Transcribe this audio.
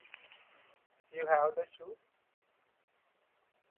You have the shoe?